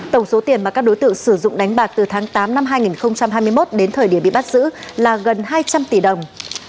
tổng số tiền mà các đối tượng sử dụng đánh bạc từ tháng tám năm hai nghìn hai mươi một đến thời điểm bị bắt giữ là gần hai trăm linh tỷ đồng